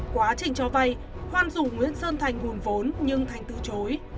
quá trình cho vay hoan rủ nguyễn sơn thành hùng vốn nhưng thành từ chối